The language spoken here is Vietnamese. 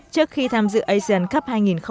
trước khi tham dự asian cup hai nghìn hai mươi bốn